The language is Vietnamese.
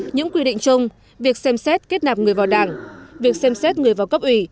những quy định chung việc xem xét kết nạp người vào đảng việc xem xét người vào cấp ủy